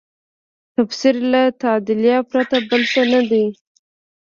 تفسیر له تعدیله پرته بل څه نه دی.